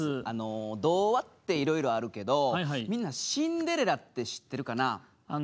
童話っていろいろあるけどみんな「シンデレラ」って知ってるかな？